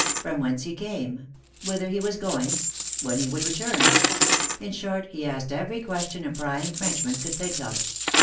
From whence he came ? Whi ther he was going ? When he would return ? In short, he asked every question a prying Frenchman could think of.